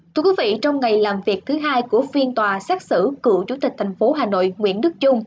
thưa quý vị trong ngày làm việc thứ hai của phiên tòa xét xử cựu chủ tịch thành phố hà nội nguyễn đức trung